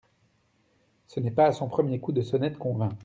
Ce n'est pas à son premier coup de sonnette qu'on vint.